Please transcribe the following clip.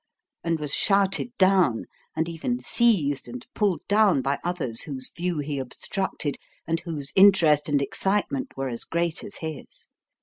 And was shouted down, and even seized and pulled down by others whose view he obstructed, and whose interest and excitement were as great as his.